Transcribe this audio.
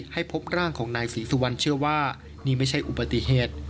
พบร่างของนายศรีสุวรรณเชื่อว่านี่ไม่ใช่อุบัติเหตุ